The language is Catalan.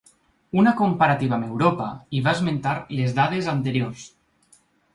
Una comparativa amb Europa i va esmentar les dades anteriors.